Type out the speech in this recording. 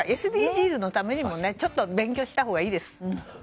ＳＤＧｓのためにも勉強したほうがいいです。